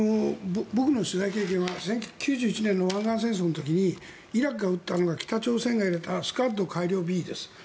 僕の取材経験は９１年の湾岸戦争の時にイラクが撃ったのが北朝鮮が入れたスカッド改良Ｂです。